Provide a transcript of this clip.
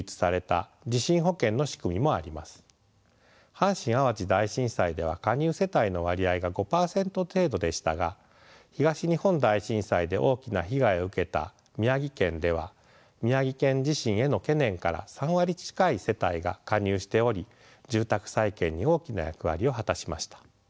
阪神・淡路大震災では加入世帯の割合が５％程度でしたが東日本大震災で大きな被害を受けた宮城県では宮城県地震への懸念から３割近い世帯が加入しており住宅再建に大きな役割を果たしました。